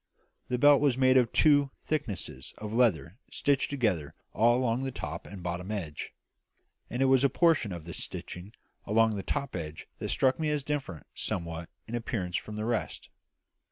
The belt was made of two thicknesses of leather stitched together all along the top and bottom edge; and it was a portion of this stitching along the top edge that struck me as differing somewhat in appearance from the rest.